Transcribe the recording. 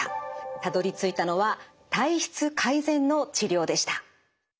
たどりついたのは体質改善の治療でした。